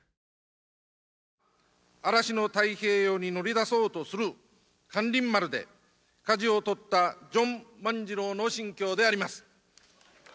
嵐の太平洋に乗り出そうとする咸臨丸で舵を取ったジョン万次郎の心境であります